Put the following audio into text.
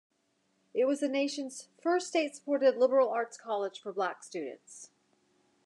It was the nation's first state-supported liberal arts college for black students.